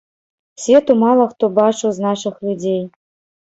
Свету мала хто бачыў з нашых людзей.